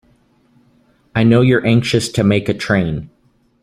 I know you're anxious to make a train.